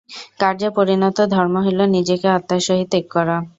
কার্যে পরিণত ধর্ম হইল নিজেকে আত্মার সহিত এক করা।